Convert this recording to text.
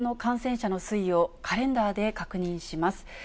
改めて東京の感染者の推移をカレンダーで確認します。